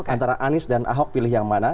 antara anies dan ahok pilih yang mana